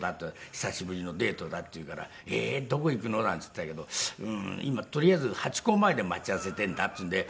「久しぶりのデートだ」って言ったら「ええーどこ行くの？」なんて言っていたけど今とりあえずハチ公前で待ち合わせているんだっていうんで。